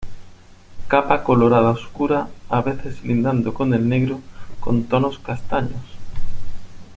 Capa colorada oscura, a veces lindando con el negro, con tonos castaños.